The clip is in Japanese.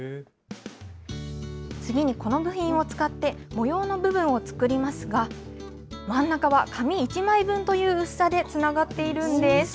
次にこの部品を使って模様の部分を作りますが、真ん中は紙１枚分という薄さでつながっているんです。